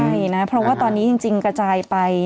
ใช่นะเพราะว่าตอนนี้จริงกระจายไป